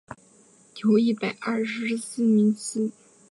由一百廿四名司铎名管理廿四个堂区。